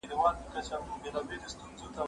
زه خواړه نه ورکوم.